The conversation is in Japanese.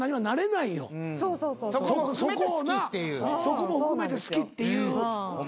そこも含めて好きっていう。